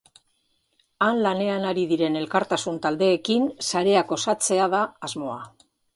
Han lanean ari diren elkartasun taldeekin sareak osatzea da asmoa.